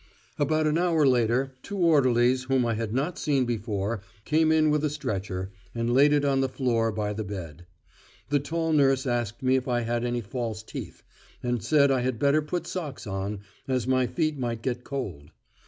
About an hour later, two orderlies whom I had not seen before came in with a stretcher, and laid it on the floor by the bed. The tall nurse asked me if I had any false teeth, and said I had better put socks on, as my feet might get cold.